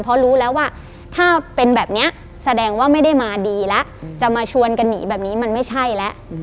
เพราะรู้แล้วว่าถ้าเป็นแบบนี้แสดงว่าไม่ได้มาดีแล้วจะมาชวนกันหนีแบบนี้มันไม่ใช่แล้ว